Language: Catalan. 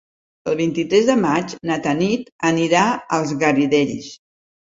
El vint-i-tres de maig na Tanit anirà als Garidells.